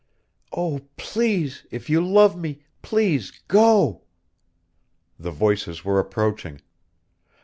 Oh, please, if you love me, please, go " The voices were approaching.